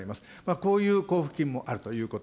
こういう交付金もあるということ。